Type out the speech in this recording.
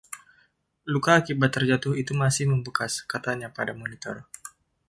“Luka akibat terjatuh itu masih membekas,” katanya pada Monitor.